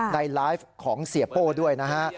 ในไลฟ์ของเสียโป้ด้วยนะฮะ